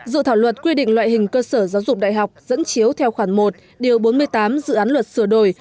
dự thảo luật quy định loại hình cơ sở giáo dục đại học dẫn chiếu theo khoản một điều bốn mươi tám dự án luật sửa đổi